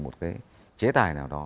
một cái chế tài nào đó